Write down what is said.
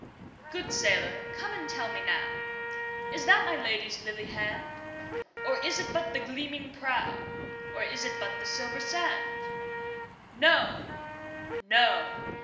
Good sailor come and tell me nowIs that my Lady's lily hand? Or is it but the gleaming prow, Or is it but the silver sand? No! no!